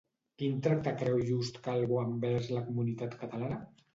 Quin tracte creu just Calvo envers la comunitat catalana?